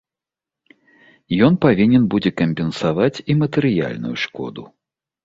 Ён павінен будзе кампенсаваць і матэрыяльную шкоду.